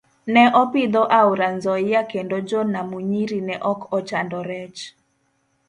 Ne opidho aora Nzoia kendo jo Namunyiri ne ok ochando rech.